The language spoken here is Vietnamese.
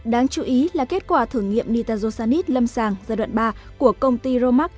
đáng chú ý là kết quả thử nghiệm nitazosanit lâm sàng giai đoạn ba của công ty romac